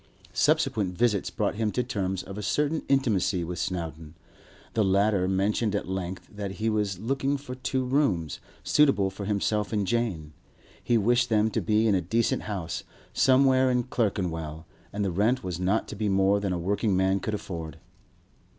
Subsequent visits brought him to terms of a certain intimacy with Snowdon. The latter mentioned at length that he was looking for two rooms, suitable for himself and Jane. He wished them to be in a decent house, somewhere in Clerkenwell, and the rent was not to be more than a working man could afford.